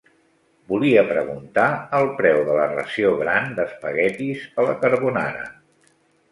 Volia preguntar el preu de la ració gran d'espaguetis a la carbonara.